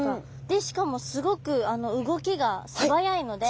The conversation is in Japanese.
でしかもすごく動きがすばやいので。